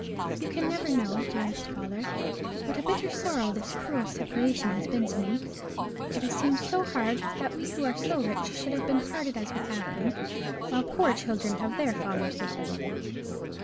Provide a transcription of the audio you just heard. You can never know, dearest father, what a bitter sorrow this cruel separation has been to me. It has seemed so hard that we who are so rich should have been parted as we have been, while poor children have their fathers with them.